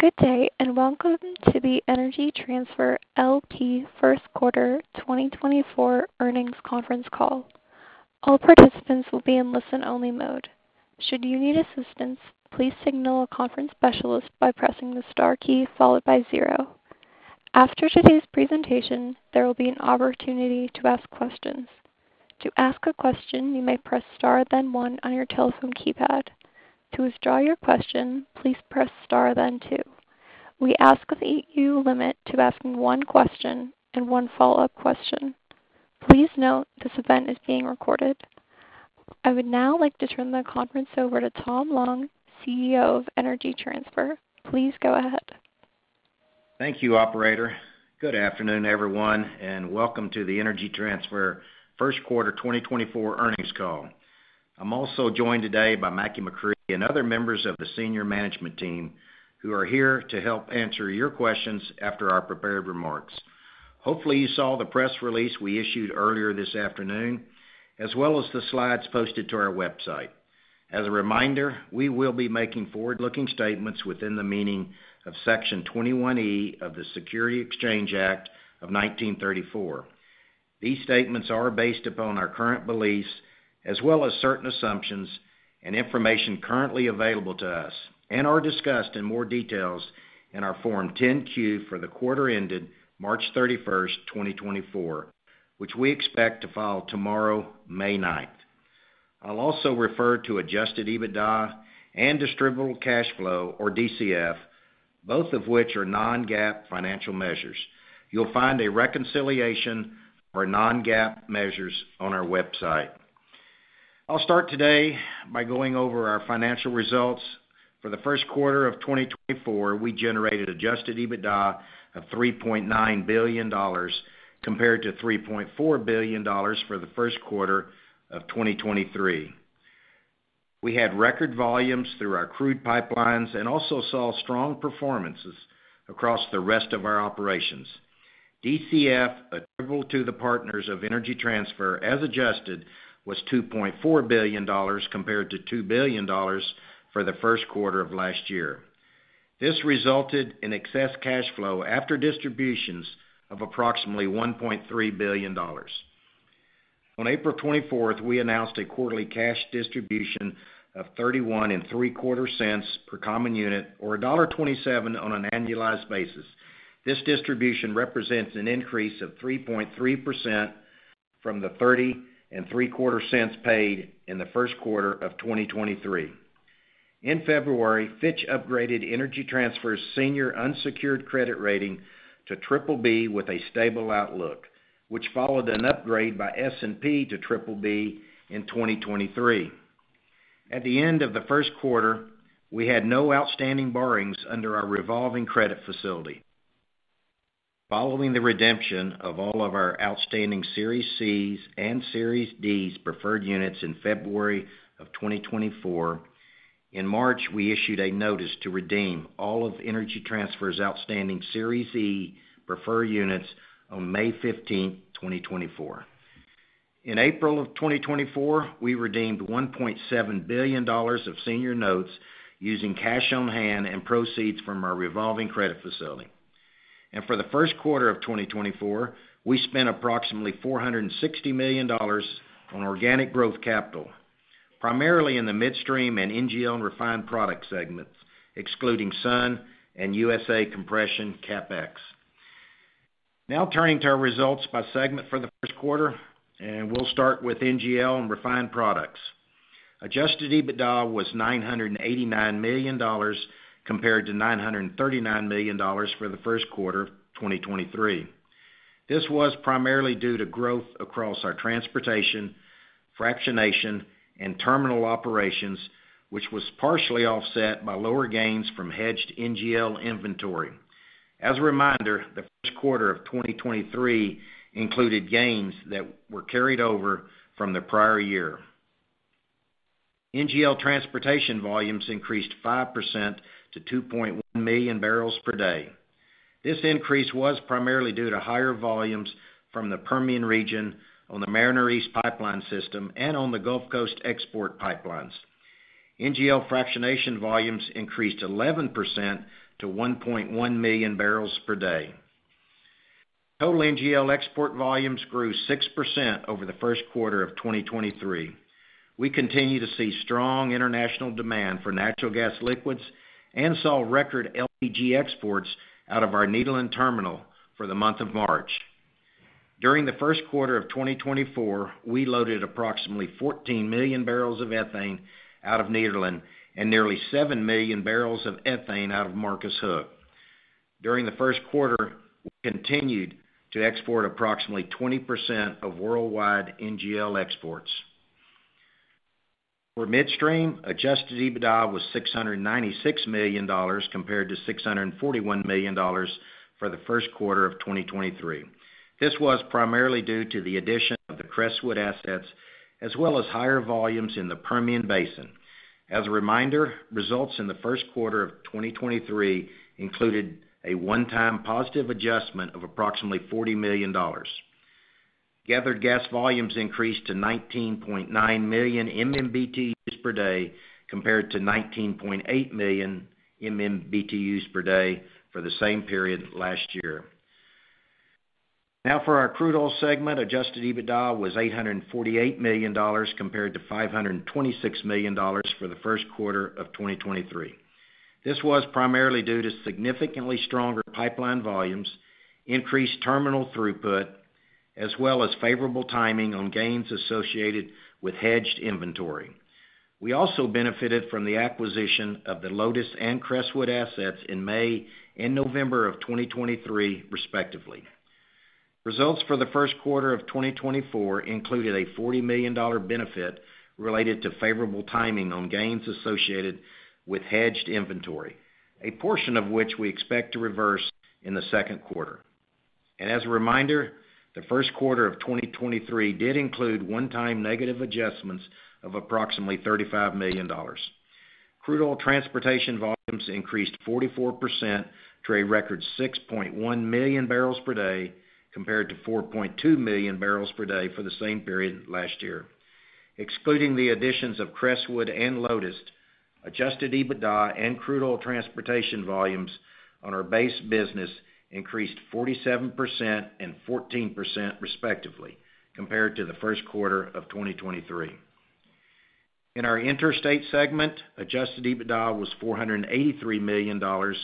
Good day and welcome to the Energy Transfer LP first quarter 2024 earnings conference call. All participants will be in listen-only mode. Should you need assistance, please signal a conference specialist by pressing the star key followed by zero. After today's presentation, there will be an opportunity to ask questions. To ask a question, you may press star then one on your telephone keypad. To withdraw your question, please press star then two. We ask you to limit to asking one question and one follow-up question. Please note this event is being recorded. I would now like to turn the conference over to Tom Long, CEO of Energy Transfer. Please go ahead. Thank you, operator. Good afternoon, everyone, and welcome to the Energy Transfer first quarter 2024 earnings call. I'm also joined today by Mackie McCrea and other members of the senior management team who are here to help answer your questions after our prepared remarks. Hopefully, you saw the press release we issued earlier this afternoon as well as the slides posted to our website. As a reminder, we will be making forward-looking statements within the meaning of Section 21E of the Securities Exchange Act of 1934. These statements are based upon our current beliefs as well as certain assumptions and information currently available to us and are discussed in more detail in our Form 10-Q for the quarter ended March 31, 2024, which we expect to file tomorrow, May 9th. I'll also refer to Adjusted EBITDA and Distributable Cash Flow, or DCF, both of which are non-GAAP financial measures. You'll find a reconciliation for non-GAAP measures on our website. I'll start today by going over our financial results. For the first quarter of 2024, we generated Adjusted EBITDA of $3.9 billion compared to $3.4 billion for the first quarter of 2023. We had record volumes through our crude pipelines and also saw strong performances across the rest of our operations. DCF, attributable to the partners of Energy Transfer as adjusted, was $2.4 billion compared to $2 billion for the first quarter of last year. This resulted in excess cash flow after distributions of approximately $1.3 billion. On April 24th, we announced a quarterly cash distribution of $0.3103 per common unit, or $1.27 on an annualized basis. This distribution represents an increase of 3.3% from the $0.3003 paid in the first quarter of 2023. In February, Fitch upgraded Energy Transfer's senior unsecured credit rating to BBB with a stable outlook, which followed an upgrade by S&P to BBB in 2023. At the end of the first quarter, we had no outstanding borrowings under our revolving credit facility. Following the redemption of all of our outstanding Series Cs and Series Ds preferred units in February of 2024, in March we issued a notice to redeem all of Energy Transfer's outstanding Series E preferred units on May 15, 2024. In April of 2024, we redeemed $1.7 billion of senior notes using cash on hand and proceeds from our revolving credit facility. For the first quarter of 2024, we spent approximately $460 million on organic growth capital, primarily in the midstream and NGL and refined products segments, excluding Sun and USA Compression CapEx. Now turning to our results by segment for the first quarter, and we'll start with NGL and refined products. Adjusted EBITDA was $989 million compared to $939 million for the first quarter of 2023. This was primarily due to growth across our transportation, fractionation, and terminal operations, which was partially offset by lower gains from hedged NGL inventory. As a reminder, the first quarter of 2023 included gains that were carried over from the prior year. NGL transportation volumes increased 5% to 2.1 million barrels per day. This increase was primarily due to higher volumes from the Permian region on the Mariner East pipeline system and on the Gulf Coast export pipelines. NGL fractionation volumes increased 11% to 1.1 million barrels per day. Total NGL export volumes grew 6% over the first quarter of 2023. We continue to see strong international demand for natural gas liquids and saw record LPG exports out of our Nederland terminal for the month of March. During the first quarter of 2024, we loaded approximately 14 million barrels of ethane out of Nederland and nearly 7 million barrels of ethane out of Marcus Hook. During the first quarter, we continued to export approximately 20% of worldwide NGL exports. For midstream, Adjusted EBITDA was $696 million compared to $641 million for the first quarter of 2023. This was primarily due to the addition of the Crestwood assets as well as higher volumes in the Permian Basin. As a reminder, results in the first quarter of 2023 included a one-time positive adjustment of approximately $40 million. Gathered gas volumes increased to 19.9 million MMBTUs per day compared to 19.8 million MMBTUs per day for the same period last year. Now for our crude oil segment, adjusted EBITDA was $848 million compared to $526 million for the first quarter of 2023. This was primarily due to significantly stronger pipeline volumes, increased terminal throughput, as well as favorable timing on gains associated with hedged inventory. We also benefited from the acquisition of the Lotus and Crestwood assets in May and November of 2023, respectively. Results for the first quarter of 2024 included a $40 million benefit related to favorable timing on gains associated with hedged inventory, a portion of which we expect to reverse in the second quarter. And as a reminder, the first quarter of 2023 did include one-time negative adjustments of approximately $35 million. Crude oil transportation volumes increased 44% to a record 6.1 million barrels per day compared to 4.2 million barrels per day for the same period last year. Excluding the additions of Crestwood and Lotus, Adjusted EBITDA and crude oil transportation volumes on our base business increased 47% and 14%, respectively, compared to the first quarter of 2023. In our interstate segment, Adjusted EBITDA was $483 million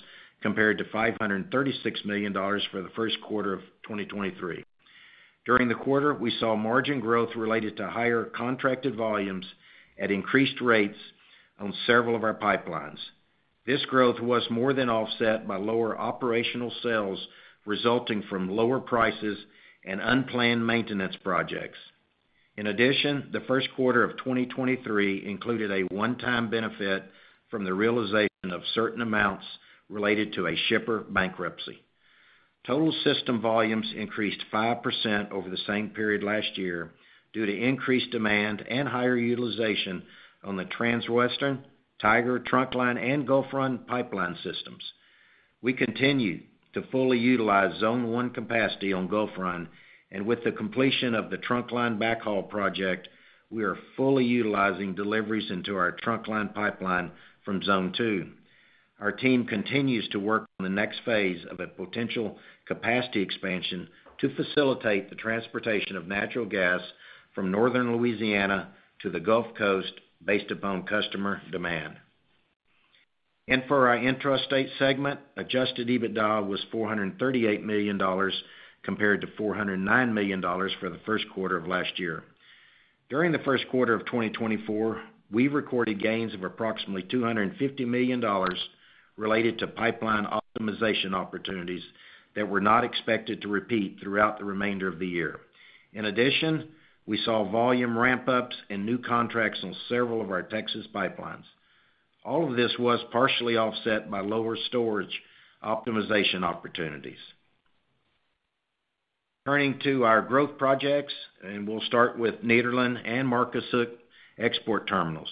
compared to $536 million for the first quarter of 2023. During the quarter, we saw margin growth related to higher contracted volumes at increased rates on several of our pipelines. This growth was more than offset by lower operational sales resulting from lower prices and unplanned maintenance projects. In addition, the first quarter of 2023 included a one-time benefit from the realization of certain amounts related to a shipper bankruptcy. Total system volumes increased 5% over the same period last year due to increased demand and higher utilization on the Transwestern, Tiger, Trunkline, and GulfRun pipeline systems. We continue to fully utilize Zone 1 capacity on GulfRun, and with the completion of the Trunkline Backhaul project, we are fully utilizing deliveries into our Trunkline pipeline from Zone 2. Our team continues to work on the next phase of a potential capacity expansion to facilitate the transportation of natural gas from Northern Louisiana to the Gulf Coast based upon customer demand. For our interstate segment, Adjusted EBITDA was $438 million compared to $409 million for the first quarter of last year. During the first quarter of 2024, we recorded gains of approximately $250 million related to pipeline optimization opportunities that were not expected to repeat throughout the remainder of the year. In addition, we saw volume ramp-ups and new contracts on several of our Texas pipelines. All of this was partially offset by lower storage optimization opportunities. Turning to our growth projects, and we'll start with Nederland and Marcus Hook export terminals.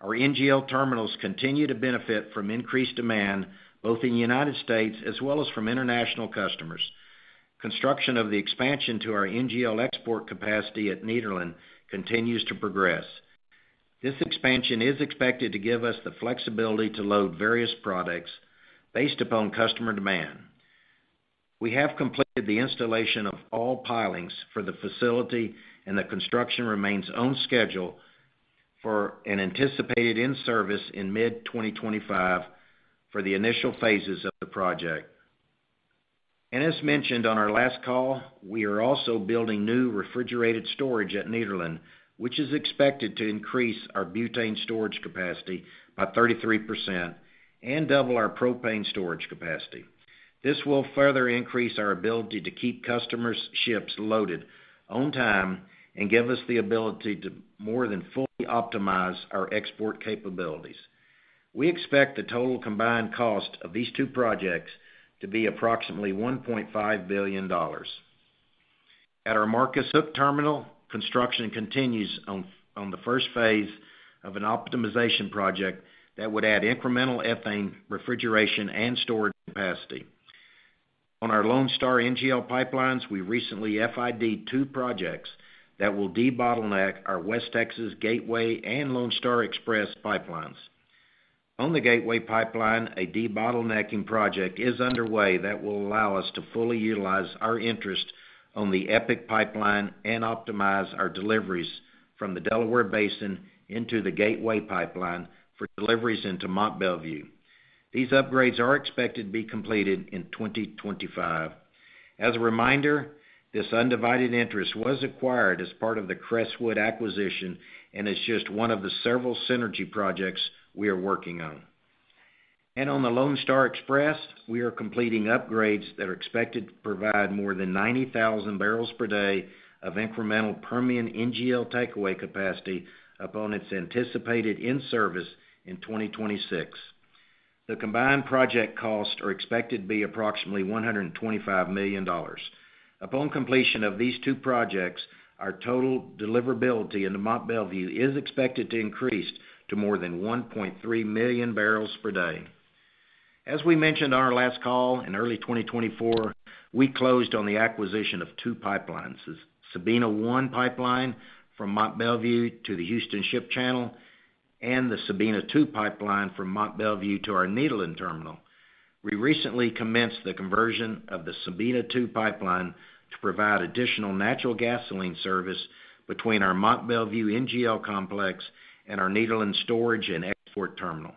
Our NGL terminals continue to benefit from increased demand both in the United States as well as from international customers. Construction of the expansion to our NGL export capacity at Nederland continues to progress. This expansion is expected to give us the flexibility to load various products based upon customer demand. We have completed the installation of all pilings for the facility, and the construction remains on schedule for an anticipated in-service in mid-2025 for the initial phases of the project. As mentioned on our last call, we are also building new refrigerated storage at Nederland, which is expected to increase our butane storage capacity by 33% and double our propane storage capacity. This will further increase our ability to keep customers' ships loaded on time and give us the ability to more than fully optimize our export capabilities. We expect the total combined cost of these two projects to be approximately $1.5 billion. At our Marcus Hook Terminal, construction continues on the first phase of an optimization project that would add incremental ethane refrigeration and storage capacity. On our Lone Star NGL pipelines, we recently FID two projects that will debottleneck our West Texas Gateway and Lone Star Express pipelines. On the Gateway pipeline, a debottlenecking project is underway that will allow us to fully utilize our interest on the EPIC pipeline and optimize our deliveries from the Delaware Basin into the Gateway pipeline for deliveries into Mont Belvieu. These upgrades are expected to be completed in 2025. As a reminder, this undivided interest was acquired as part of the Crestwood acquisition and is just one of the several synergy projects we are working on. And on the Lone Star Express, we are completing upgrades that are expected to provide more than 90,000 barrels per day of incremental Permian NGL takeaway capacity upon its anticipated in-service in 2026. The combined project costs are expected to be approximately $125 million. Upon completion of these two projects, our total deliverability into Mont Belvieu is expected to increase to more than 1.3 million barrels per day. As we mentioned on our last call in early 2024, we closed on the acquisition of two pipelines, the Sabina 1 Pipeline from Mont Belvieu to the Houston Ship Channel and the Sabina 2 Pipeline from Mont Belvieu to our Nederland terminal. We recently commenced the conversion of the Sabina 2 Pipeline to provide additional natural gasoline service between our Mont Belvieu NGL complex and our Nederland storage and export terminal.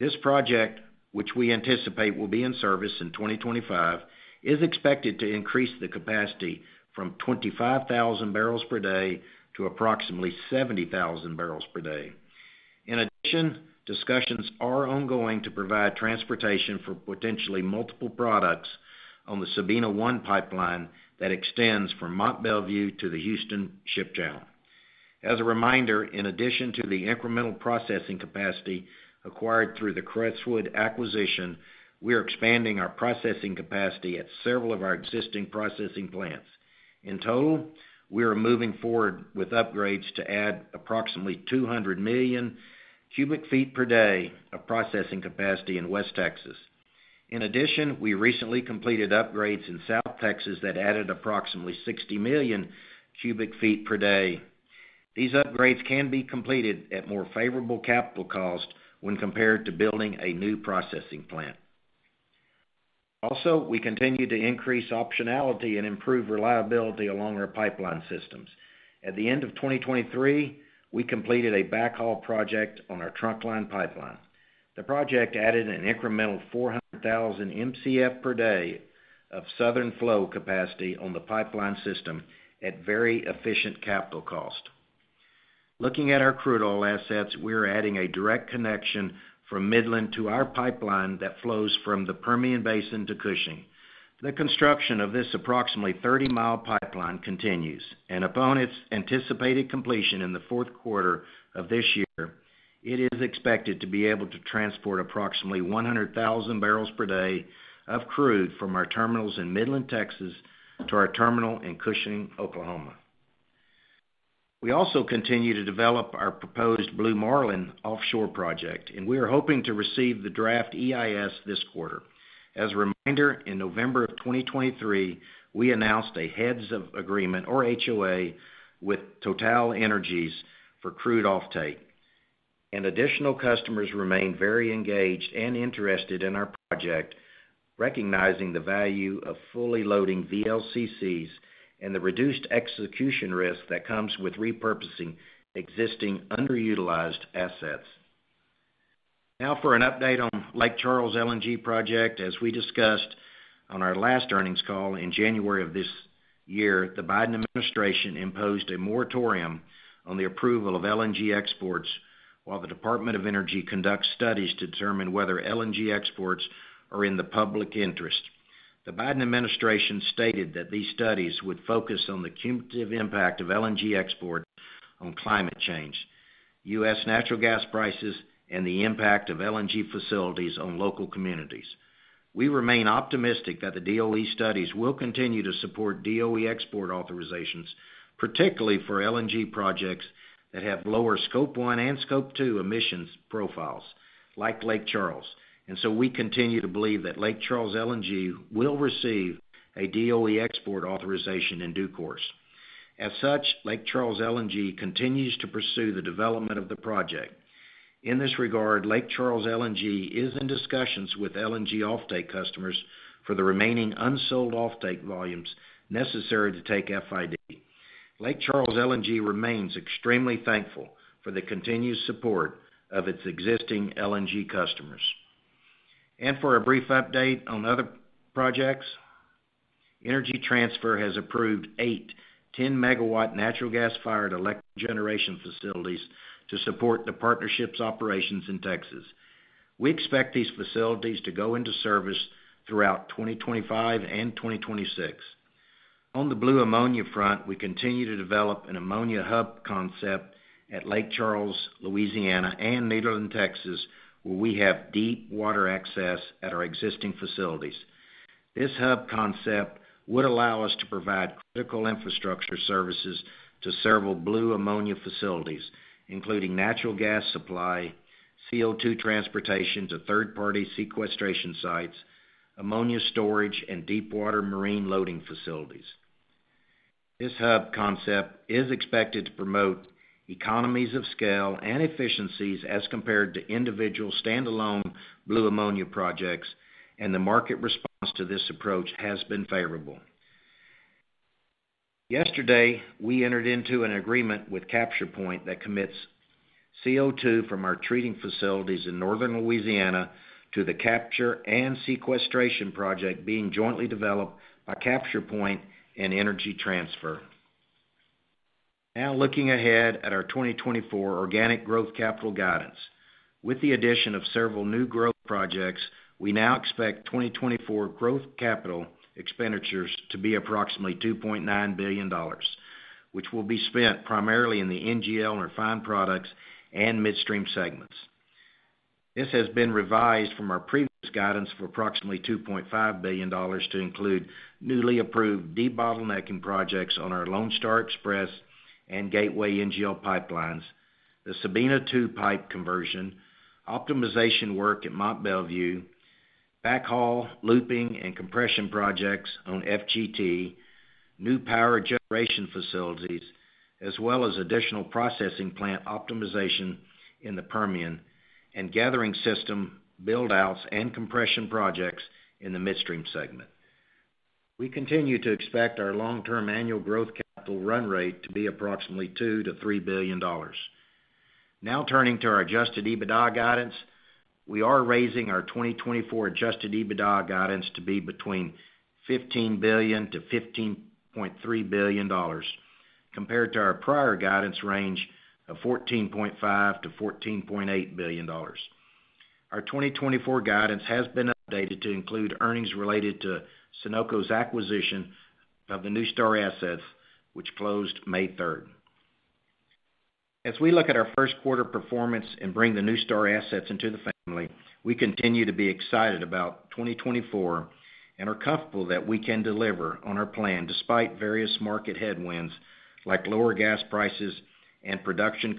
This project, which we anticipate will be in service in 2025, is expected to increase the capacity from 25,000 barrels per day to approximately 70,000 barrels per day. In addition, discussions are ongoing to provide transportation for potentially multiple products on the Sabina 1 Pipeline that extends from Mont Belvieu to the Houston Ship Channel. As a reminder, in addition to the incremental processing capacity acquired through the Crestwood acquisition, we are expanding our processing capacity at several of our existing processing plants. In total, we are moving forward with upgrades to add approximately 200 million cubic feet per day of processing capacity in West Texas. In addition, we recently completed upgrades in South Texas that added approximately 60 million cubic feet per day. These upgrades can be completed at more favorable capital cost when compared to building a new processing plant. Also, we continue to increase optionality and improve reliability along our pipeline systems. At the end of 2023, we completed a backhaul project on our Trunkline Pipeline. The project added an incremental 400,000 MCF per day of southern flow capacity on the pipeline system at very efficient capital cost. Looking at our crude oil assets, we are adding a direct connection from Midland to our pipeline that flows from the Permian Basin to Cushing. The construction of this approximately 30 mi pipeline continues, and upon its anticipated completion in the fourth quarter of this year, it is expected to be able to transport approximately 100,000 barrels per day of crude from our terminals in Midland, Texas, to our terminal in Cushing, Oklahoma. We also continue to develop our proposed Blue Marlin Offshore Port, and we are hoping to receive the draft EIS this quarter. As a reminder, in November of 2023, we announced a heads-of-agreement, or HOA, with TotalEnergies for crude offtake. Additional customers remain very engaged and interested in our project, recognizing the value of fully loading VLCCs and the reduced execution risk that comes with repurposing existing underutilized assets. Now for an update on Lake Charles LNG project. As we discussed on our last earnings call in January of this year, the Biden administration imposed a moratorium on the approval of LNG exports while the Department of Energy conducts studies to determine whether LNG exports are in the public interest. The Biden administration stated that these studies would focus on the cumulative impact of LNG exports on climate change, U.S. natural gas prices, and the impact of LNG facilities on local communities. We remain optimistic that the DOE studies will continue to support DOE export authorizations, particularly for LNG projects that have lower Scope 1 and Scope 2 emissions profiles like Lake Charles. And so we continue to believe that Lake Charles LNG will receive a DOE export authorization in due course. As such, Lake Charles LNG continues to pursue the development of the project. In this regard, Lake Charles LNG is in discussions with LNG offtake customers for the remaining unsold offtake volumes necessary to take FID. Lake Charles LNG remains extremely thankful for the continued support of its existing LNG customers. For a brief update on other projects, Energy Transfer has approved eight 10 MW natural gas-fired electric generation facilities to support the partnership's operations in Texas. We expect these facilities to go into service throughout 2025 and 2026. On the blue ammonia front, we continue to develop an ammonia hub concept at Lake Charles, Louisiana, and Nederland, Texas, where we have deep water access at our existing facilities. This hub concept would allow us to provide critical infrastructure services to several blue ammonia facilities, including natural gas supply, CO2 transportation to third-party sequestration sites, ammonia storage, and deep water marine loading facilities. This hub concept is expected to promote economies of scale and efficiencies as compared to individual standalone blue ammonia projects, and the market response to this approach has been favorable. Yesterday, we entered into an agreement with CapturePoint that commits CO2 from our treating facilities in Northern Louisiana to the capture and sequestration project being jointly developed by CapturePoint and Energy Transfer. Now, looking ahead at our 2024 organic growth capital guidance, with the addition of several new growth projects, we now expect 2024 growth capital expenditures to be approximately $2.9 billion, which will be spent primarily in the NGL refined products and midstream segments. This has been revised from our previous guidance for approximately $2.5 billion to include newly approved debottlenecking projects on our Lone Star Express and Gateway NGL pipelines, the Sabina 2 pipe conversion, optimization work at Mont Belvieu, backhaul looping and compression projects on FGT, new power generation facilities, as well as additional processing plant optimization in the Permian and gathering system buildouts and compression projects in the midstream segment. We continue to expect our long-term annual growth capital run rate to be approximately $2 bllion-$3 billion. Now, turning to our Adjusted EBITDA guidance, we are raising our 2024 Adjusted EBITDA guidance to be between $15 billion-$15.3 billion compared to our prior guidance range of $14.5 billion-$14.8 billion. Our 2024 guidance has been updated to include earnings related to Sunoco's acquisition of the NuStar assets, which closed May 3rd. As we look at our first quarter performance and bring the New Star assets into the family, we continue to be excited about 2024 and are comfortable that we can deliver on our plan despite various market headwinds like lower gas prices and production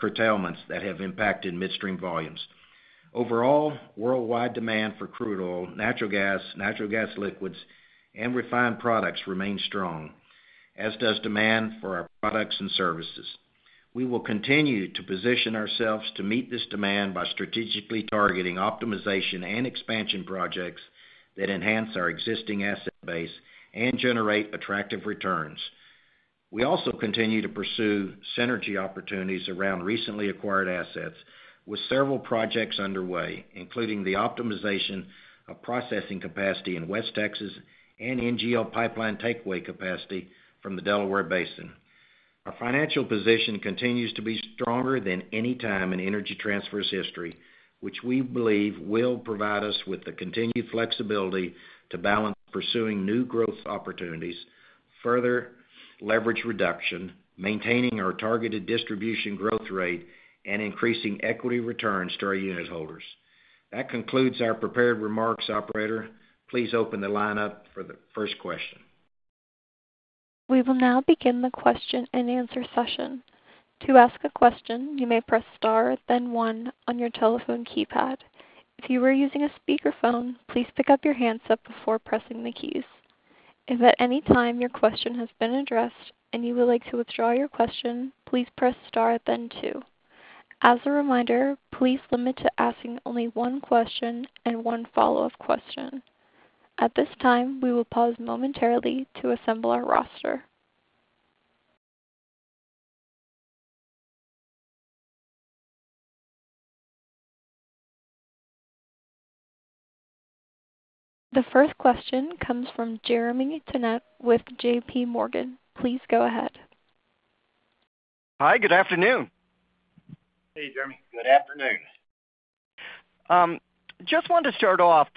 curtailments that have impacted midstream volumes. Overall, worldwide demand for crude oil, natural gas, natural gas liquids, and refined products remains strong, as does demand for our products and services. We will continue to position ourselves to meet this demand by strategically targeting optimization and expansion projects that enhance our existing asset base and generate attractive returns. We also continue to pursue synergy opportunities around recently acquired assets with several projects underway, including the optimization of processing capacity in West Texas and NGL pipeline takeaway capacity from the Delaware Basin. Our financial position continues to be stronger than any time in Energy Transfer's history, which we believe will provide us with the continued flexibility to balance pursuing new growth opportunities, further leverage reduction, maintaining our targeted distribution growth rate, and increasing equity returns to our unit holders. That concludes our prepared remarks, operator. Please open the line up for the first question. We will now begin the question-and-answer session. To ask a question, you may press star, then one on your telephone keypad. If you are using a speakerphone, please pick up the handset before pressing the keys. If at any time your question has been addressed and you would like to withdraw your question, please press star, then two. As a reminder, please limit to asking only one question and one follow-up question. At this time, we will pause momentarily to assemble our roster. The first question comes from Jeremy Tonet with JPMorgan. Please go ahead. Hi. Good afternoon. Hey, Jeremy. Good afternoon. Just wanted to start off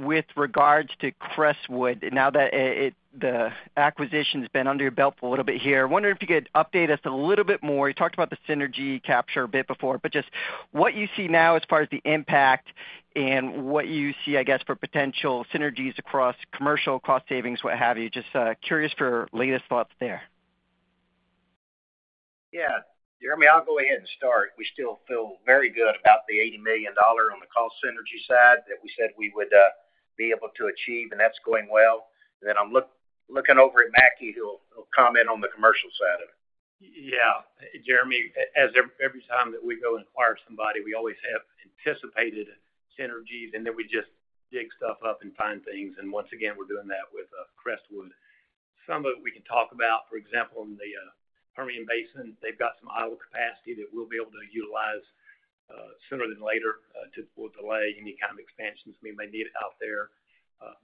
with regards to Crestwood. Now that the acquisition's been under your belt for a little bit here, wondering if you could update us a little bit more. You talked about the synergy capture a bit before, but just what you see now as far as the impact and what you see, I guess, for potential synergies across commercial, cost savings, what have you. Just curious for latest thoughts there. Yeah. Jeremy, I'll go ahead and start. We still feel very good about the $80 million on the cost synergy side that we said we would be able to achieve, and that's going well. And then I'm looking over at Mackie, who'll comment on the commercial side of it. Yeah. Jeremy, every time that we go inquire somebody, we always have anticipated synergies, and then we just dig stuff up and find things. And once again, we're doing that with Crestwood. Some of it we can talk about. For example, in the Permian Basin, they've got some idle capacity that we'll be able to utilize sooner than later to delay any kind of expansions we may need out there.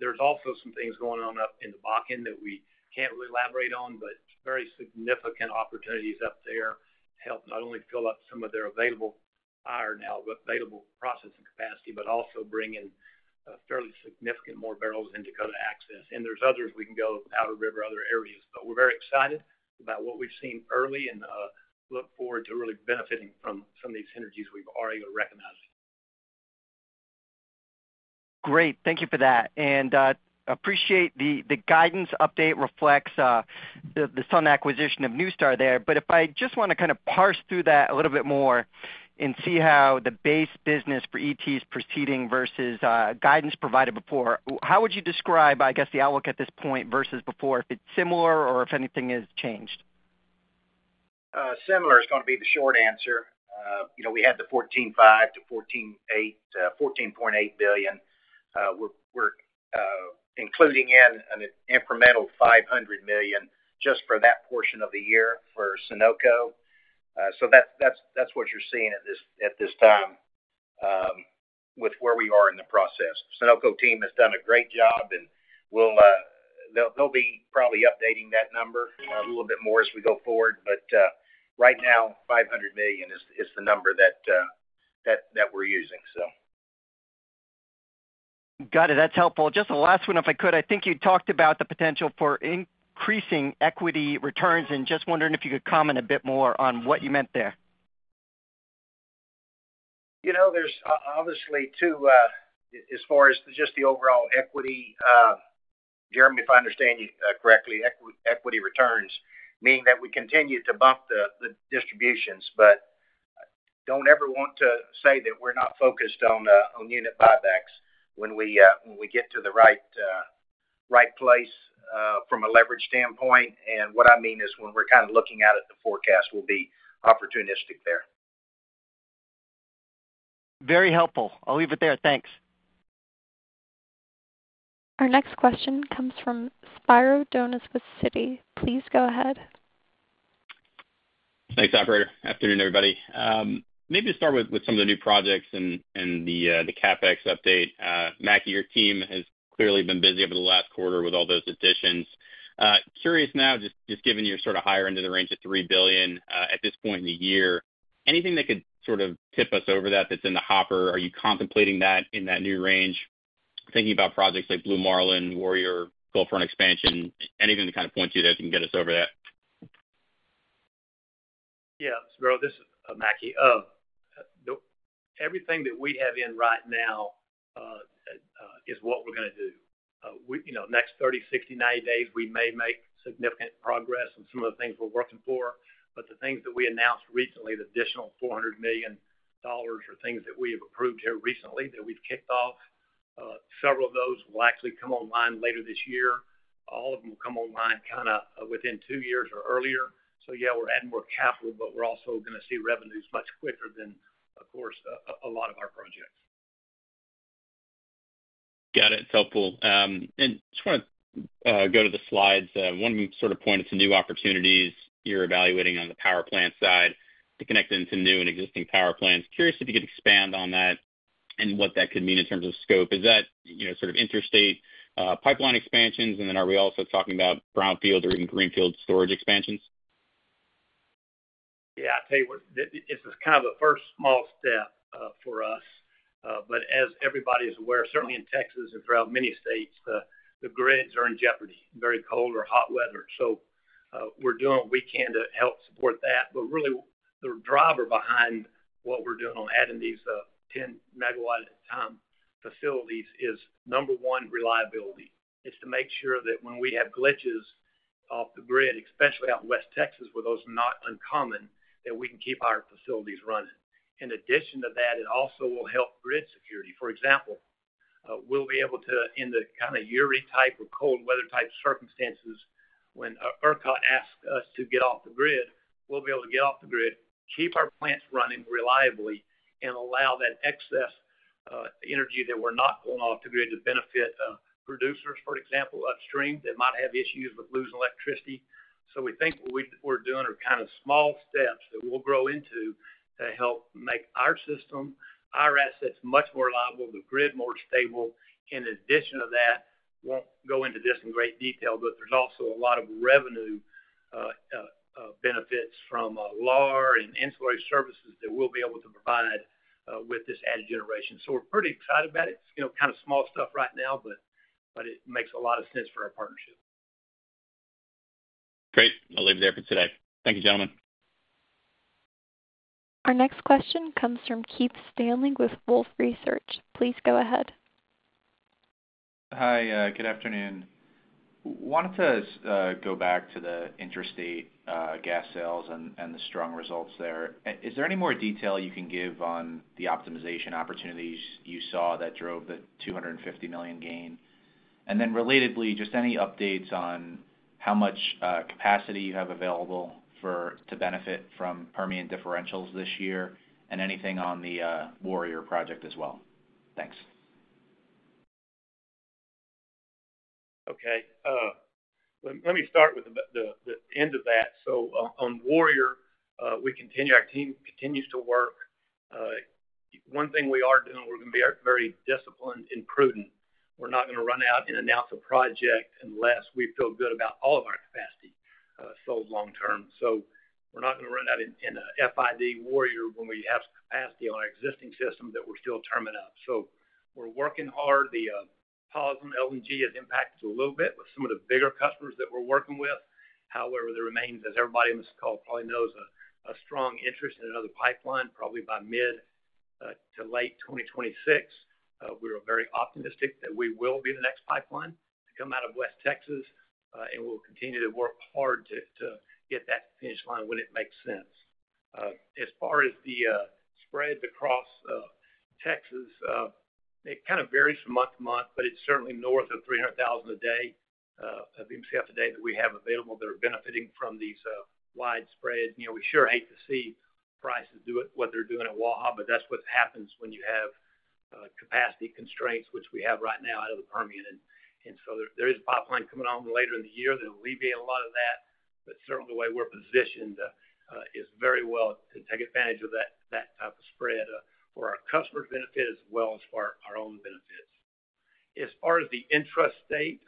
There's also some things going on up in the Bakken that we can't really elaborate on, but very significant opportunities up there to help not only fill up some of their available processing capacity, but also bring in fairly significant more barrels in Dakota Access. And there's others. We can go over other areas. But we're very excited about what we've seen early and look forward to really benefiting from some of these synergies. We've already recognized them. Great. Thank you for that. And appreciate the guidance update reflects the Sunoco acquisition of New Star there. But if I just want to kind of parse through that a little bit more and see how the base business for ET is proceeding versus guidance provided before, how would you describe, I guess, the outlook at this point versus before, if it's similar or if anything has changed? Similar is going to be the short answer. We had the $14.8 billion. We're including in an incremental $500 million just for that portion of the year for Sunoco. So that's what you're seeing at this time with where we are in the process. Sunoco team has done a great job, and they'll be probably updating that number a little bit more as we go forward. But right now, $500 million is the number that we're using, so. Got it. That's helpful. Just the last one, if I could. I think you talked about the potential for increasing equity returns, and just wondering if you could comment a bit more on what you meant there. There's obviously two. As far as just the overall equity, Jeremy, if I understand you correctly, equity returns, meaning that we continue to bump the distributions. But don't ever want to say that we're not focused on unit buybacks when we get to the right place from a leverage standpoint. And what I mean is when we're kind of looking at it, the forecast will be opportunistic there. Very helpful. I'll leave it there. Thanks. Our next question comes from Spiro Dounis with Citi. Please go ahead. Thanks, operator. Afternoon, everybody. Maybe to start with some of the new projects and the CapEx update. Mackie, your team has clearly been busy over the last quarter with all those additions. Curious now, just given you're sort of higher into the range of $3 billion at this point in the year, anything that could sort of tip us over that that's in the hopper? Are you contemplating that in that new range, thinking about projects like Blue Marlin, Warrior, GulfRun expansion, anything to kind of point you that you can get us over that? Yeah. This is Mackie. Everything that we have in right now is what we're going to do. Next 30, 60, 90 days, we may make significant progress on some of the things we're working for. But the things that we announced recently, the additional $400 million are things that we have approved here recently that we've kicked off. Several of those will actually come online later this year. All of them will come online kind of within 2 years or earlier. So yeah, we're adding more capital, but we're also going to see revenues much quicker than, of course, a lot of our projects. Got it. It's helpful. And just want to go to the slides. One sort of point is the new opportunities you're evaluating on the power plant side to connect into new and existing power plants. Curious if you could expand on that and what that could mean in terms of scope. Is that sort of interstate pipeline expansions? And then are we also talking about brownfield or even greenfield storage expansions? Yeah. I'll tell you what, this is kind of the first small step for us. But as everybody is aware, certainly in Texas and throughout many states, the grids are in jeopardy, very cold or hot weather. So we're doing what we can to help support that. But really, the driver behind what we're doing on adding these 10MW at a time facilities is, number one, reliability. It's to make sure that when we have glitches off the grid, especially out in West Texas, where those are not uncommon, that we can keep our facilities running. In addition to that, it also will help grid security. For example, we'll be able to, in the kind of ERCOT-type or cold weather type circumstances, when ERCOT asks us to get off the grid, we'll be able to get off the grid, keep our plants running reliably, and allow that excess energy that we're not pulling off the grid to benefit producers, for example, upstream that might have issues with losing electricity. So we think what we're doing are kind of small steps that we'll grow into to help make our system, our assets much more reliable, the grid more stable. In addition to that, won't go into this in great detail, but there's also a lot of revenue benefits from LaaR and ancillary services that we'll be able to provide with this added generation. So we're pretty excited about it. It's kind of small stuff right now, but it makes a lot of sense for our partnership. Great. I'll leave it there for today. Thank you, gentlemen. Our next question comes from Keith Stanley with Wolfe Research. Please go ahead. Hi. Good afternoon. Wanted to go back to the interstate gas sales and the strong results there. Is there any more detail you can give on the optimization opportunities you saw that drove the $250 million gain? And then relatedly, just any updates on how much capacity you have available to benefit from Permian differentials this year and anything on the Warrior project as well. Thanks. Okay. Let me start with the end of that. So on Warrior, our team continues to work. One thing we are doing, we're going to be very disciplined and prudent. We're not going to run out and announce a project unless we feel good about all of our capacity sold long term. So we're not going to run out and FID Warrior when we have capacity on our existing system that we're still turning up. So we're working hard. The pause on LNG has impacted a little bit with some of the bigger customers that we're working with. However, there remains, as everybody on this call probably knows, a strong interest in another pipeline. Probably by mid-to-late 2026, we're very optimistic that we will be the next pipeline to come out of West Texas, and we'll continue to work hard to get that to the finish line when it makes sense. As far as the spreads across Texas, it kind of varies from month to month, but it's certainly north of 300,000 MCF a day that we have available that are benefiting from these wide spreads. We sure hate to see prices do what they're doing at Waha, but that's what happens when you have capacity constraints, which we have right now out of the Permian. And so there is a pipeline coming on later in the year that'll alleviate a lot of that. But certainly, the way we're positioned is very well to take advantage of that type of spread for our customer's benefit as well as for our own benefits. As far as the interstate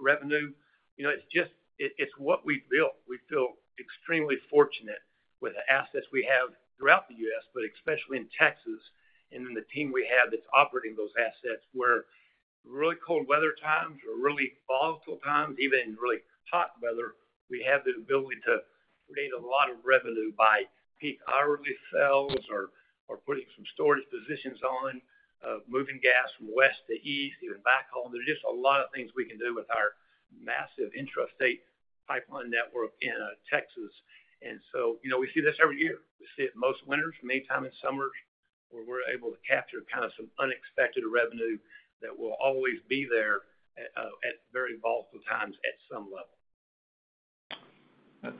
revenue, it's what we've built. We feel extremely fortunate with the assets we have throughout the U.S., but especially in Texas and in the team we have that's operating those assets where really cold weather times or really volatile times, even in really hot weather, we have the ability to create a lot of revenue by peak hourly sales or putting some storage positions on, moving gas from west to east, even backhaul. There's just a lot of things we can do with our massive interstate pipeline network in Texas. So we see this every year. We see it most winters, many times in summers, where we're able to capture kind of some unexpected revenue that will always be there at very volatile times at some level.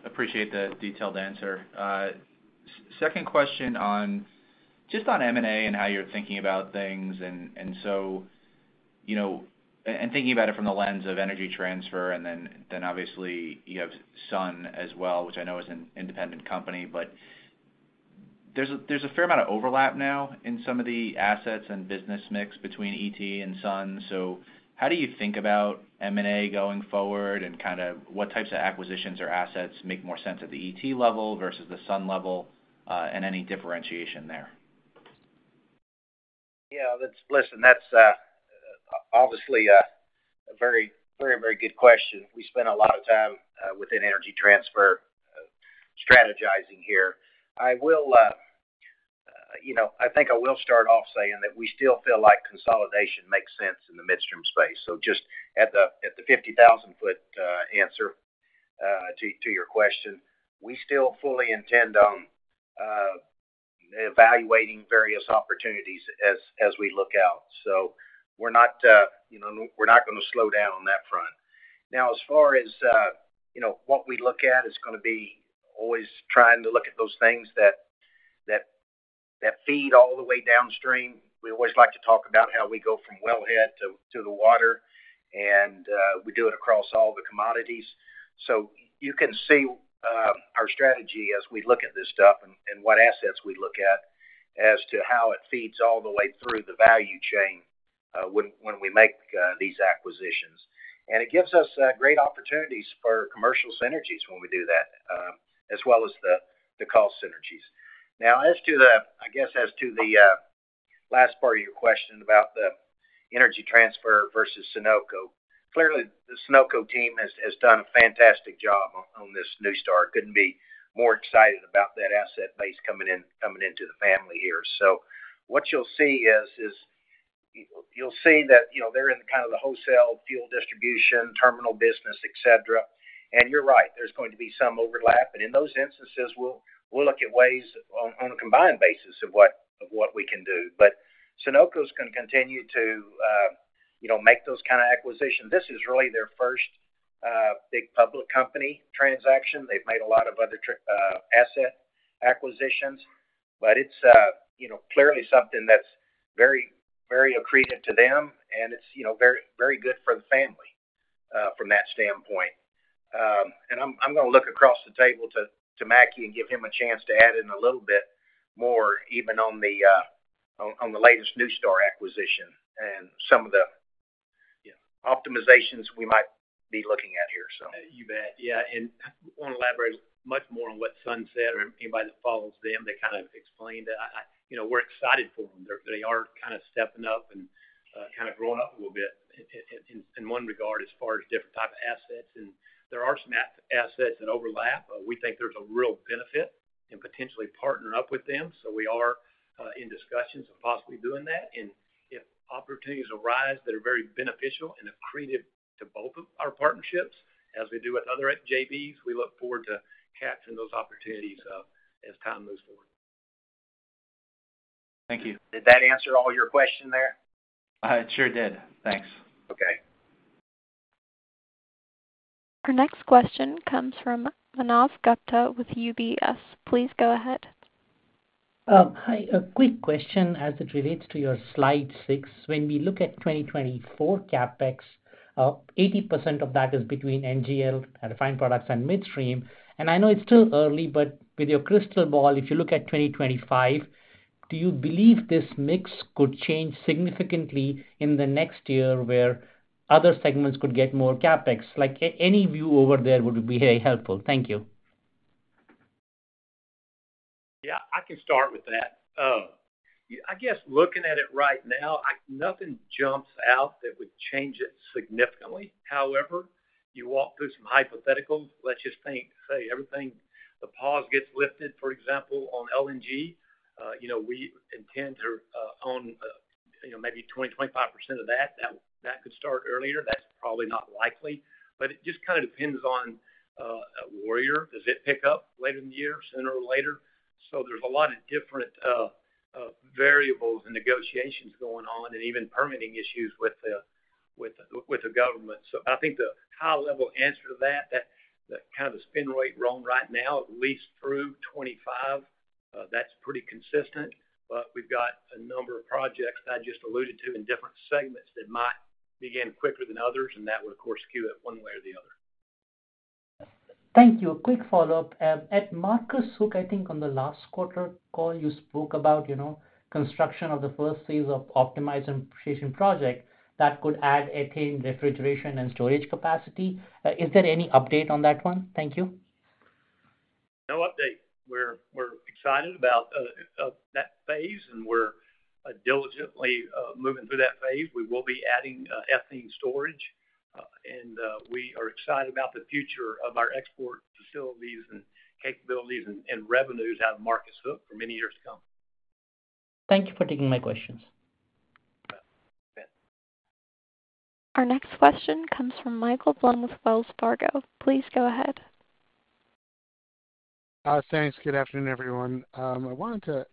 Appreciate the detailed answer. Second question just on M&A and how you're thinking about things. And so thinking about it from the lens of Energy Transfer and then obviously, you have Sun as well, which I know is an independent company, but there's a fair amount of overlap now in some of the assets and business mix between ET and Sun. So how do you think about M&A going forward and kind of what types of acquisitions or assets make more sense at the ET level versus the Sun level and any differentiation there? Yeah. Listen, that's obviously a very, very, very good question. We spend a lot of time within Energy Transfer strategizing here. I think I will start off saying that we still feel like consolidation makes sense in the midstream space. So just at the 50,000-foot answer to your question, we still fully intend on evaluating various opportunities as we look out. So we're not going to slow down on that front. Now, as far as what we look at, it's going to be always trying to look at those things that feed all the way downstream. We always like to talk about how we go from wellhead to the water, and we do it across all the commodities. So you can see our strategy as we look at this stuff and what assets we look at as to how it feeds all the way through the value chain when we make these acquisitions. It gives us great opportunities for commercial synergies when we do that, as well as the cost synergies. Now, I guess as to the last part of your question about Energy Transfer versus Sunoco, clearly, the Sunoco team has done a fantastic job on this NuStar. Couldn't be more excited about that asset base coming into the family here. So what you'll see is you'll see that they're in kind of the wholesale fuel distribution, terminal business, etc. And you're right. There's going to be some overlap. And in those instances, we'll look at ways on a combined basis of what we can do. But Sunoco is going to continue to make those kind of acquisitions. This is really their first big public company transaction. They've made a lot of other asset acquisitions, but it's clearly something that's very accretive to them, and it's very good for the family from that standpoint. And I'm going to look across the table to Mackie and give him a chance to add in a little bit more, even on the latest New Star acquisition and some of the optimizations we might be looking at here, so. You bet. Yeah. And I want to elaborate much more on what Sun said or anybody that follows them. They kind of explained it. We're excited for them. They are kind of stepping up and kind of growing up a little bit in one regard as far as different type of assets. And there are some assets that overlap. We think there's a real benefit in potentially partnering up with them. So we are in discussions of possibly doing that. And if opportunities arise that are very beneficial and accretive to both of our partnerships, as we do with other JBs, we look forward to capturing those opportunities as time moves forward. Thank you. Did that answer all your question there? It sure did. Thanks. Okay. Our next question comes from Manav Gupta with UBS. Please go ahead. Hi. A quick question as it relates to your slide 6. When we look at 2024 CapEx, 80% of that is between NGL, refined products, and midstream. And I know it's still early, but with your crystal ball, if you look at 2025, do you believe this mix could change significantly in the next year where other segments could get more CapEx? Any view over there would be very helpful. Thank you. Yeah. I can start with that. I guess looking at it right now, nothing jumps out that would change it significantly. However, you walk through some hypotheticals. Let's just think, say, everything the Pause gets lifted, for example, on LNG, we intend to own maybe 20%-25% of that. That could start earlier. That's probably not likely. But it just kind of depends on Warrior. Does it pick up later in the year, sooner or later? So there's a lot of different variables and negotiations going on and even permitting issues with the government. So I think the high-level answer to that, that kind of spin rate run right now, at least through 2025, that's pretty consistent. But we've got a number of projects that I just alluded to in different segments that might begin quicker than others, and that would, of course, skew it one way or the other. Thank you. A quick follow-up. At Marcus Hook, I think on the last quarter call, you spoke about construction of the first phase of optimized infiltration project that could add ethane refrigeration and storage capacity. Is there any update on that one? Thank you. No update. We're excited about that phase, and we're diligently moving through that phase. We will be adding ethane storage. And we are excited about the future of our export facilities and capabilities and revenues out of Marcus Hook for many years to come. Thank you for taking my questions. Our next question comes from Michael Blum with Wells Fargo. Please go ahead. Thanks. Good afternoon, everyone. I wanted to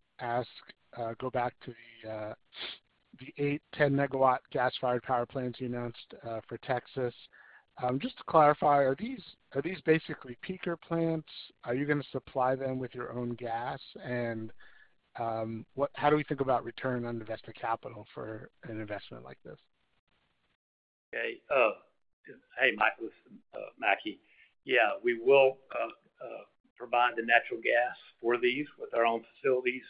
go back to the 8MW-10MW gas-fired power plants you announced for Texas. Just to clarify, are these basically peaker plants? Are you going to supply them with your own gas? And how do we think about return on invested capital for an investment like this? Okay. Hey, Mackie. Yeah. We will provide the natural gas for these with our own facilities.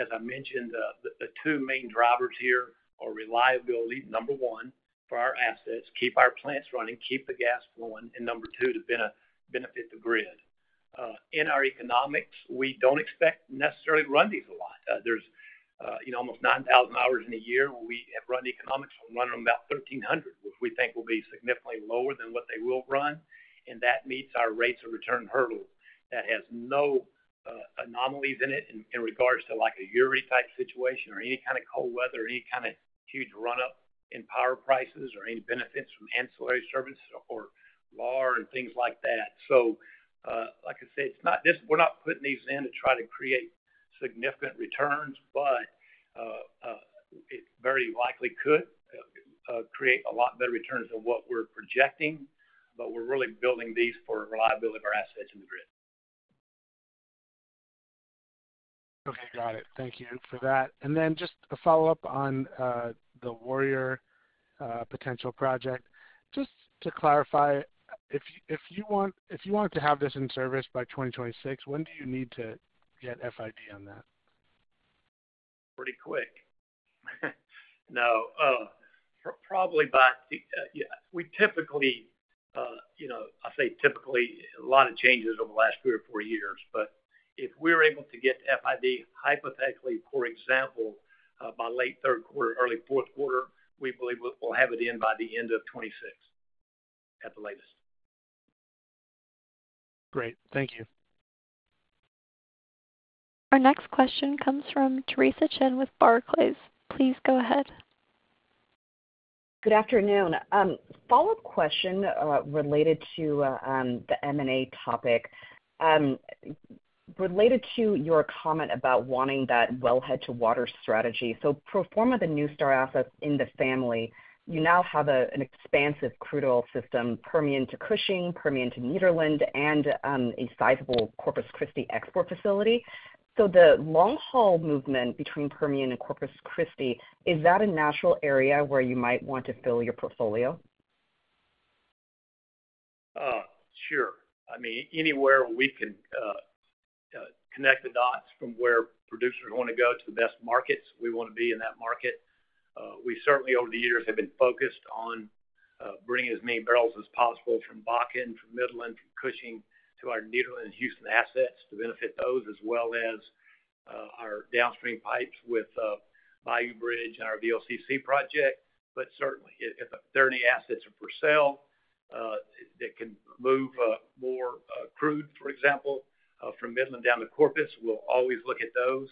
As I mentioned, the two main drivers here are reliability, number one, for our assets, keep our plants running, keep the gas flowing, and number two, to benefit the grid. In our economics, we don't expect necessarily to run these a lot. There's almost 9,000 hours in a year. We have run economics on running them about 1,300, which we think will be significantly lower than what they will run. And that meets our rates of return hurdle. That has no anomalies in it in regards to a Uri-type situation or any kind of cold weather or any kind of huge run-up in power prices or any benefits from ancillary services or LAR and things like that. So like I said, we're not putting these in to try to create significant returns, but it very likely could create a lot better returns than what we're projecting. But we're really building these for reliability of our assets in the grid. Okay. Got it. Thank you for that. And then just a follow-up on the Warrior potential project. Just to clarify, if you want to have this in service by 2026, when do you need to get FID on that? Pretty quick. No. Probably, we typically, a lot of changes over the last three or four years. But if we were able to get FID, hypothetically, for example, by late third quarter, early fourth quarter, we believe we'll have it in by the end of 2026 at the latest. Great. Thank you. Our next question comes from Theresa Chen with Barclays. Please go ahead. Good afternoon. Follow-up question related to the M&A topic, related to your comment about wanting that wellhead-to-water strategy. So pro forma the New Star assets in the family, you now have an expansive crude oil system, Permian to Cushing, Permian to Nederland, and a sizable Corpus Christi export facility. So the long-haul movement between Permian and Corpus Christi, is that a natural area where you might want to fill your portfolio? Sure. I mean, anywhere we can connect the dots from where producers want to go to the best markets, we want to be in that market. We certainly, over the years, have been focused on bringing as many barrels as possible from Bakken, from Midland, from Cushing to our Nederland, Houston assets to benefit those, as well as our downstream pipes with Bayou Bridge and our VLCC project. But certainly, if there are any assets for sale that can move more crude, for example, from Midland down to Corpus, we'll always look at those.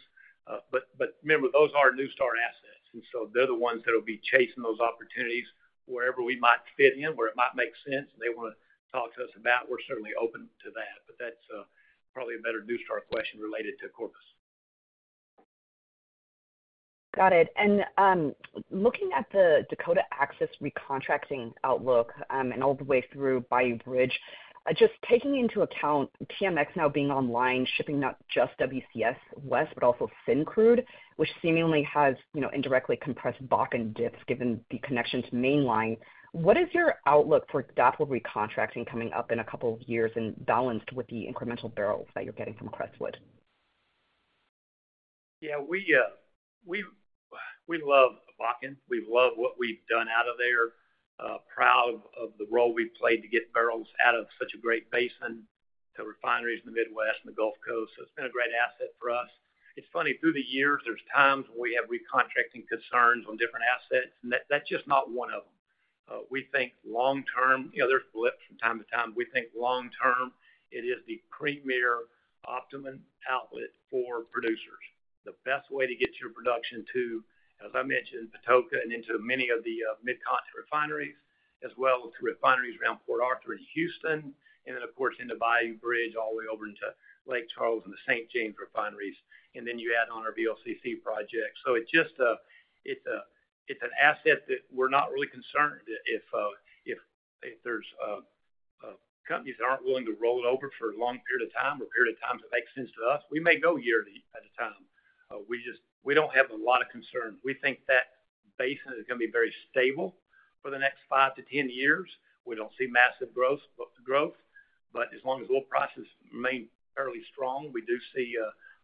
But remember, those are New Star assets. And so they're the ones that will be chasing those opportunities wherever we might fit in, where it might make sense, and they want to talk to us about. We're certainly open to that. But that's probably a better New Star question related to Corpus. Got it. And looking at the Dakota Access recontracting outlook and all the way through Bayou Bridge, just taking into account TMX now being online, shipping not just WCS West but also Syncrude, which seemingly has indirectly compressed Bakken dips given the connection to mainline, what is your outlook for DAPL recontracting coming up in a couple of years and balanced with the incremental barrels that you're getting from Crestwood? Yeah. We love Bakken. We love what we've done out of there. Proud of the role we've played to get barrels out of such a great basin to refineries in the Midwest and the Gulf Coast. So it's been a great asset for us. It's funny, through the years, there's times when we have recontracting concerns on different assets, and that's just not one of them. We think long-term there's blips from time to time. We think long-term, it is the premier optimum outlet for producers, the best way to get your production to, as I mentioned, Patoka and into many of the mid-continent refineries, as well as to refineries around Port Arthur in Houston, and then, of course, into Bayou Bridge all the way over into Lake Charles and the St. James refineries. And then you add on our VLCC project. So it's an asset that we're not really concerned if there's companies that aren't willing to roll it over for a long period of time or period of time that makes sense to us. We may go year at a time. We don't have a lot of concerns. We think that basin is going to be very stable for the next 5-10 years. We don't see massive growth. But as long as oil prices remain fairly strong, we do see,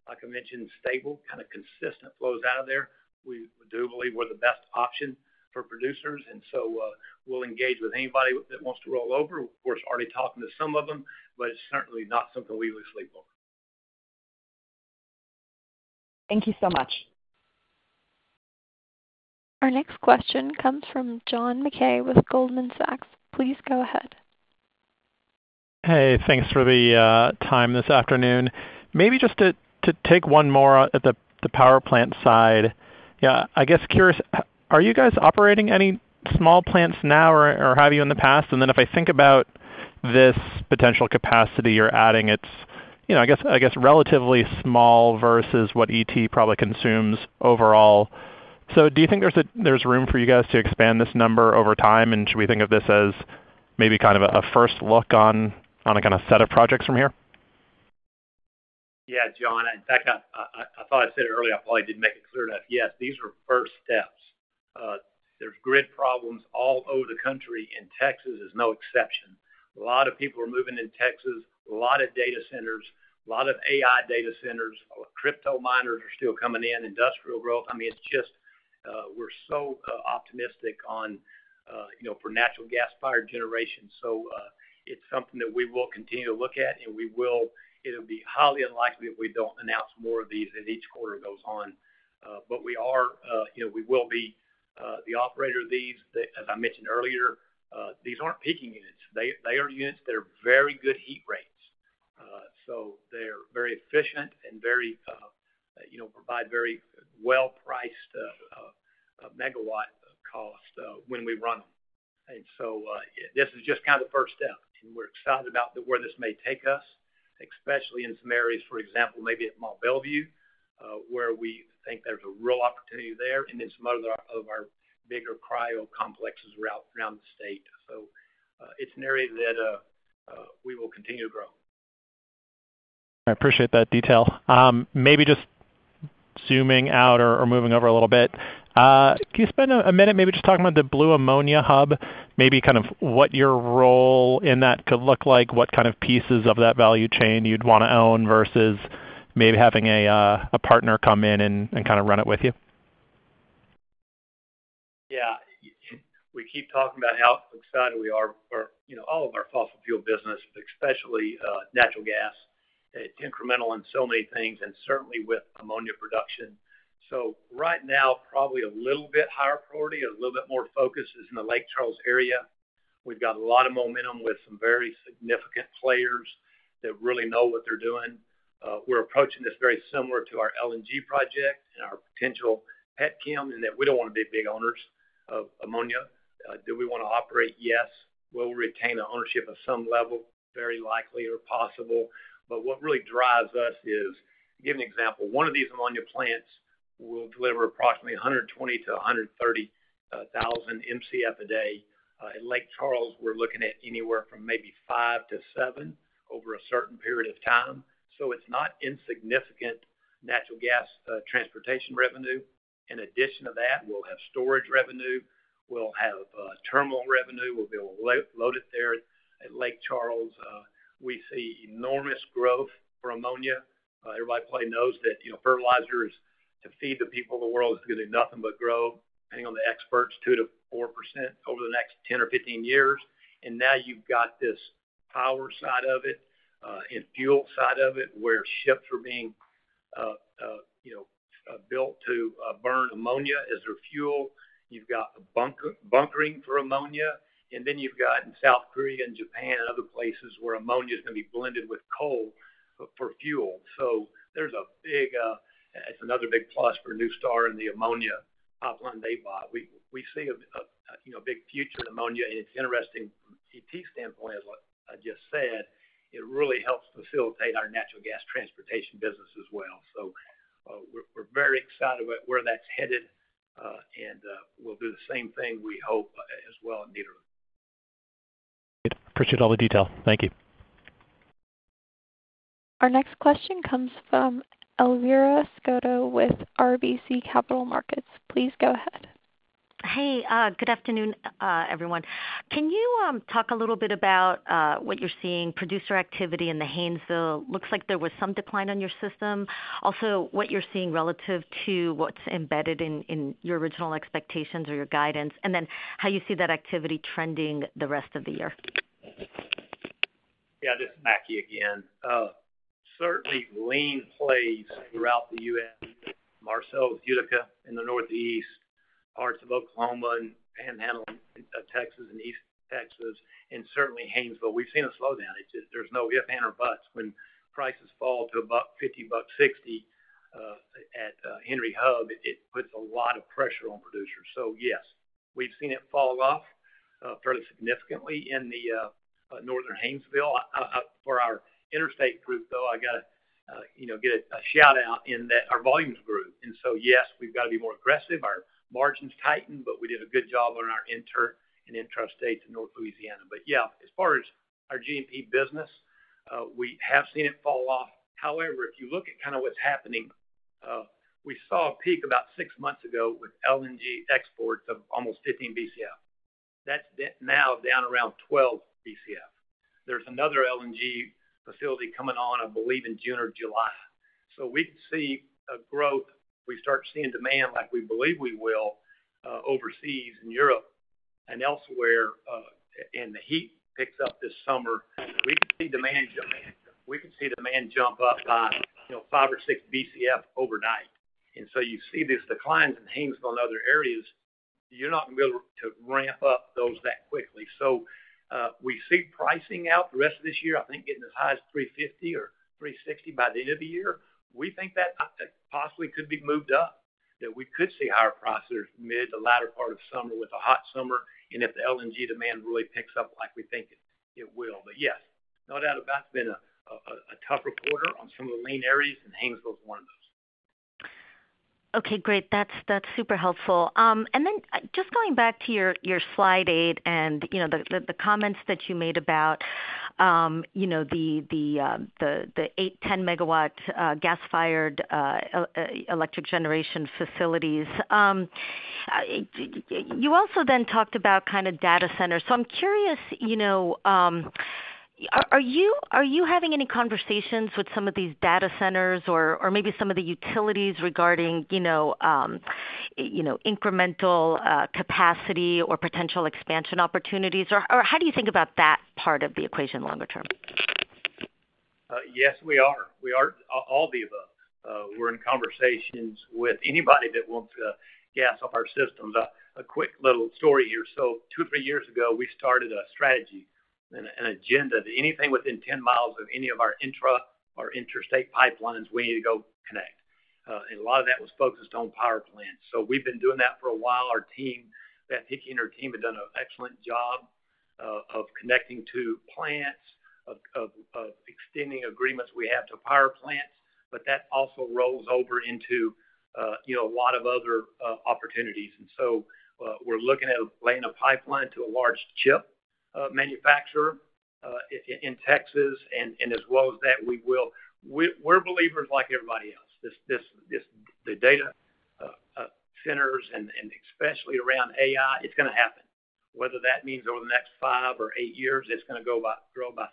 like I mentioned, stable, kind of consistent flows out of there, we do believe we're the best option for producers. And so we'll engage with anybody that wants to roll over. Of course, already talking to some of them, but it's certainly not something we lose sleep over. Thank you so much. Our next question comes from John Mackay with Goldman Sachs. Please go ahead. Hey. Thanks for the time this afternoon. Maybe just to take one more at the power plant side. Yeah. I guess curious, are you guys operating any small plants now, or have you in the past? And then if I think about this potential capacity you're adding, it's, I guess, relatively small versus what ET probably consumes overall. So do you think there's room for you guys to expand this number over time? And should we think of this as maybe kind of a first look on a kind of set of projects from here? Yeah, John. In fact, I thought I said it earlier. I probably didn't make it clear enough. Yes. These are first steps. There's grid problems all over the country. And Texas is no exception. A lot of people are moving to Texas, a lot of data centers, a lot of AI data centers. Crypto miners are still coming in, industrial growth. I mean, we're so optimistic for natural gas-fired generation. So it's something that we will continue to look at, and it'll be highly unlikely if we don't announce more of these as each quarter goes on. But we will be the operator of these. As I mentioned earlier, these aren't peaking units. They are units that are very good heat rates. So they're very efficient and provide very well-priced megawatt cost when we run them. And so this is just kind of the first step. And we're excited about where this may take us, especially in some areas, for example, maybe at Mont Belvieu, where we think there's a real opportunity there, and then some other of our bigger cryo complexes around the state. So it's an area that we will continue to grow. I appreciate that detail. Maybe just zooming out or moving over a little bit, can you spend a minute maybe just talking about the Blue Ammonia Hub, maybe kind of what your role in that could look like, what kind of pieces of that value chain you'd want to own versus maybe having a partner come in and kind of run it with you? Yeah. We keep talking about how excited we are for all of our fossil fuel business, but especially natural gas. It's incremental in so many things, and certainly with ammonia production. So right now, probably a little bit higher priority, a little bit more focus is in the Lake Charles area. We've got a lot of momentum with some very significant players that really know what they're doing. We're approaching this very similar to our LNG project and our potential petchem in that we don't want to be big owners of ammonia. Do we want to operate? Yes. Will we retain ownership of some level? Very likely or possible. But what really drives us is, to give an example, one of these ammonia plants will deliver approximately 120,000-130,000 MCF a day. In Lake Charles, we're looking at anywhere from maybe 5-7 over a certain period of time. So it's not insignificant natural gas transportation revenue. In addition to that, we'll have storage revenue. We'll have thermal revenue. We'll be able to load it there at Lake Charles. We see enormous growth for ammonia. Everybody probably knows that fertilizers to feed the people of the world is going to do nothing but grow, depending on the experts, 2%-4% over the next 10 or 15 years. And now you've got this power side of it and fuel side of it where ships are being built to burn ammonia as their fuel. You've got bunkering for ammonia. And then you've got in South Korea and Japan and other places where ammonia is going to be blended with coal for fuel. So there's a big, it's another big plus for New Star in the ammonia pipeline they buy. We see a big future in ammonia. And it's interesting from an ET standpoint, as I just said, it really helps facilitate our natural gas transportation business as well. So we're very excited about where that's headed. And we'll do the same thing, we hope, as well in Nederland. Appreciate all the detail. Thank you. Our next question comes from Elvira Scotto with RBC Capital Markets. Please go ahead. Hey. Good afternoon, everyone. Can you talk a little bit about what you're seeing, producer activity in the Haynesville? Looks like there was some decline on your system. Also, what you're seeing relative to what's embedded in your original expectations or your guidance, and then how you see that activity trending the rest of the year. Yeah. This is Mackie again. Certainly, lean plays throughout the U.S., Marcellus Utica in the northeast, parts of Oklahoma and Panhandle of Texas and East Texas, and certainly Haynesville. We've seen a slowdown. There's no ifs, ands, or buts. When prices fall to about $50-$60 at Henry Hub, it puts a lot of pressure on producers. So yes, we've seen it fall off fairly significantly in the northern Haynesville. For our interstate group, though, I got to get a shout-out in that our volumes grew. And so yes, we've got to be more aggressive. Our margins tightened, but we did a good job on our inter and intrastate to North Louisiana. But yeah, as far as our GP business, we have seen it fall off. However, if you look at kind of what's happening, we saw a peak about six months ago with LNG exports of almost 15 BCF. That's now down around 12 BCF. There's another LNG facility coming on, I believe, in June or July. So we can see a growth. We start seeing demand, like we believe we will, overseas in Europe and elsewhere. And the heat picks up this summer. We can see demand jump. We can see demand jump up by 5 or 6 BCF overnight. So you see these declines in Haynesville and other areas. You're not going to be able to ramp up those that quickly. We see pricing out the rest of this year, I think, getting as high as 350 or 360 by the end of the year. We think that possibly could be moved up, that we could see higher prices mid to latter part of summer with a hot summer and if the LNG demand really picks up like we think it will. Yes, no doubt about it. It's been a tougher quarter on some of the lean areas, and Haynesville is one of those. Okay. Great. That's super helpful. And then just going back to your slide 8 and the comments that you made about the 8 MW-10 MW gas-fired electric generation facilities, you also then talked about kind of data centers. So I'm curious, are you having any conversations with some of these data centers or maybe some of the utilities regarding incremental capacity or potential expansion opportunities? Or how do you think about that part of the equation longer term? Yes, we are. We are all the above. We're in conversations with anybody that wants to gas up our systems. A quick little story here. So 2 or 3 years ago, we started a strategy and agenda that anything within 10 mi of any of our intrastate or interstate pipelines, we need to go connect. And a lot of that was focused on power plants. So we've been doing that for a while. Beth Hickey and her team have done an excellent job of connecting to plants, of extending agreements we have to power plants. But that also rolls over into a lot of other opportunities. And so we're looking at laying a pipeline to a large chip manufacturer in Texas. And as well as that, we're believers like everybody else. The data centers and especially around AI, it's going to happen. Whether that means over the next 5 or 8 years, it's going to grow by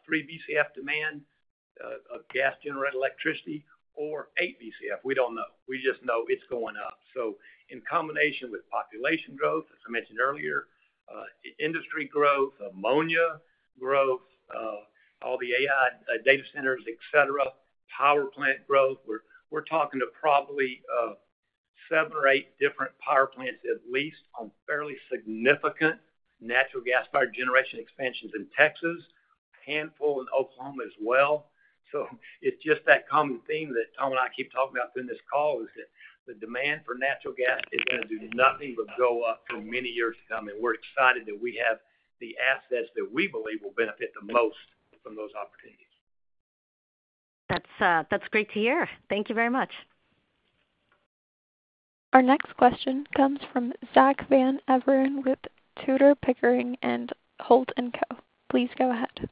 3 BCF demand of gas-generated electricity or 8 BCF. We don't know. We just know it's going up. So in combination with population growth, as I mentioned earlier, industry growth, ammonia growth, all the AI data centers, etc., power plant growth, we're talking to probably seven or eight different power plants at least on fairly significant natural gas-fired generation expansions in Texas, a handful in Oklahoma as well. So it's just that common theme that Tom and I keep talking about through this call is that the demand for natural gas is going to do nothing but go up for many years to come. And we're excited that we have the assets that we believe will benefit the most from those opportunities. That's great to hear. Thank you very much. Our next question comes from Zack Van Everen with Tudor, Pickering, Holt & Co. Please go ahead.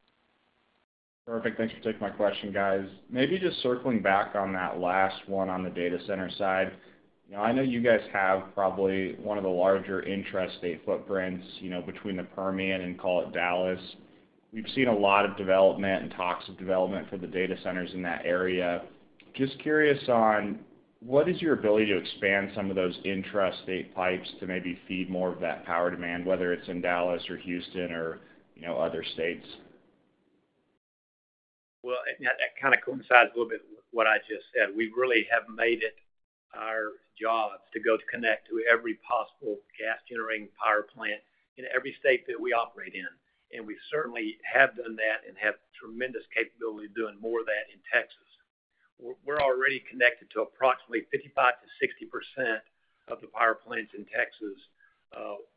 Perfect. Thanks for taking my question, guys. Maybe just circling back on that last one on the data center side, I know you guys have probably one of the larger intrastate footprints between the Permian and, call it, Dallas. We've seen a lot of development and talks of development for the data centers in that area. Just curious on what is your ability to expand some of those intrastate pipes to maybe feed more of that power demand, whether it's in Dallas or Houston or other states? Well, that kind of coincides a little bit with what I just said. We really have made it our job to go to connect to every possible gas-generating power plant in every state that we operate in. And we certainly have done that and have tremendous capability of doing more of that in Texas. We're already connected to approximately 55%-60% of the power plants in Texas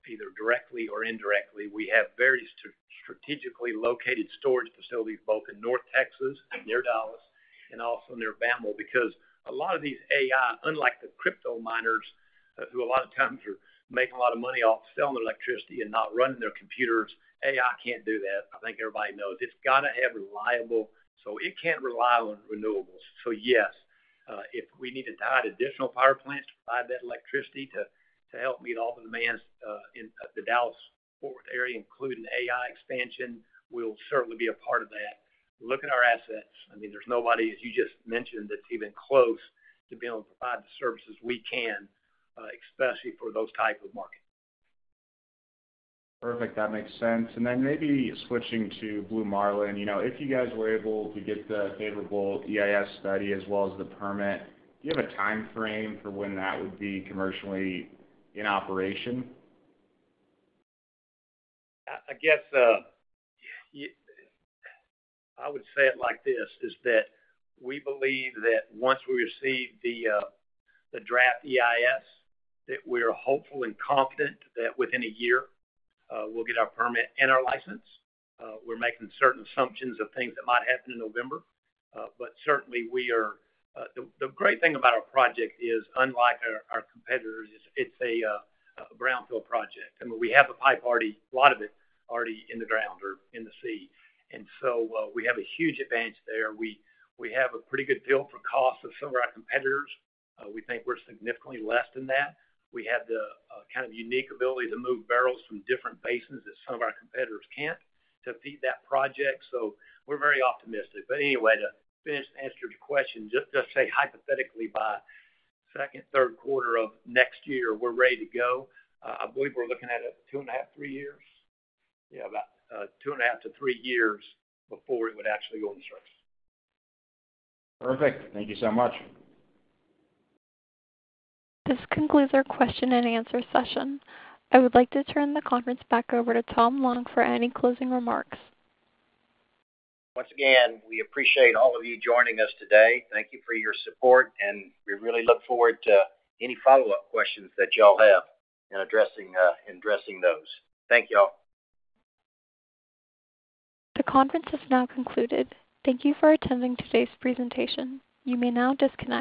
either directly or indirectly. We have very strategically located storage facilities both in North Texas, near Dallas, and also near Bammel because a lot of these AI, unlike the crypto miners who a lot of times are making a lot of money off selling their electricity and not running their computers, AI can't do that. I think everybody knows. It's got to have reliable. So it can't rely on renewables. So yes, if we need to tie additional power plants to provide that electricity to help meet all the demands in the Dallas-Fort Worth area, including AI expansion, we'll certainly be a part of that. Look at our assets. I mean, there's nobody, as you just mentioned, that's even close to being able to provide the services we can, especially for those types of markets. Perfect. That makes sense. Then maybe switching to Blue Marlin, if you guys were able to get the favorable EIS study as well as the permit, do you have a time frame for when that would be commercially in operation? I guess I would say it like this, is that we believe that once we receive the draft EIS, that we are hopeful and confident that within a year, we'll get our permit and our license. We're making certain assumptions of things that might happen in November. But certainly, the great thing about our project is, unlike our competitors, it's a brownfield project. I mean, we have a pipe already, a lot of it, already in the ground or in the sea. And so we have a huge advantage there. We have a pretty good feel for cost of some of our competitors. We think we're significantly less than that. We have the kind of unique ability to move barrels from different basins that some of our competitors can't to feed that project. So we're very optimistic. But anyway, to finish the answer to your question, just say hypothetically, by second, third quarter of next year, we're ready to go. I believe we're looking at a 2.5, 3 years. Yeah, about 2.5-3 years before it would actually go on the surface. Perfect. Thank you so much. This concludes our question-and-answer session. I would like to turn the conference back over to Tom Long for any closing remarks. Once again, we appreciate all of you joining us today. Thank you for your support. And we really look forward to any follow-up questions that y'all have in addressing those. Thank y'all. The conference has now concluded. Thank you for attending today's presentation. You may now disconnect.